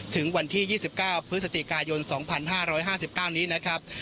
ถึงวันที่๒๙พฤศจิกายน๒๕๕๙นี้นะครับ